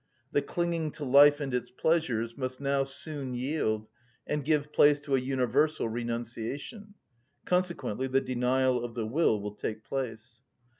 The clinging to life and its pleasures must now soon yield, and give place to a universal renunciation; consequently the denial of the will will take place.